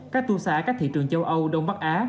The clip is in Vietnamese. các tour xã các thị trường châu âu đông bắc á